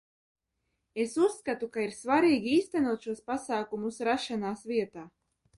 Es uzskatu, ka ir svarīgi īstenot šos pasākumus rašanās vietā.